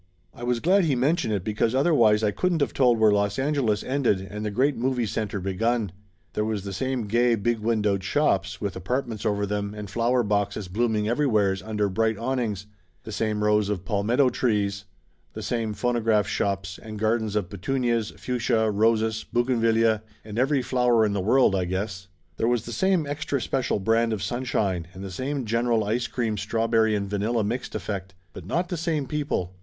I was glad he mentioned it because otherwise I couldn't of told where Los Angeles ended and the great movie center begun. There was the same gay big windowed shops, with apartments over them and flower boxes blooming everywheres under bright awn ings ; the same rows of palmetto trees, the same phono graph shops, and gardens of petunias, fuchsia, roses, buginvillaea, and every flower in the world, I guess. There was the same extra special brand of sunshine, and the same general ice cream strawberry and vanilla mixed effect. But not the same people.